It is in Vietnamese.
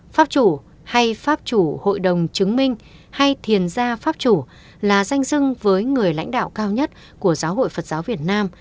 pháp chủ hay pháp chủ hội đồng chứng minh hay thiền gia pháp chủ là danh sưng với người lãnh đạo cao nhất của giáo hội phật giáo việt nam